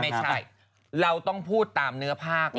ไม่ใช่เราต้องพูดตามเนื้อภาค